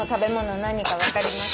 何か分かります？